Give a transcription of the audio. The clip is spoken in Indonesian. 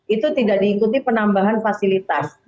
itu tidak diikuti penambahan fasilitas